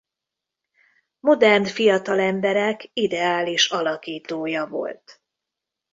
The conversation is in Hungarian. Modern fiatalemberek ideális alakítója volt.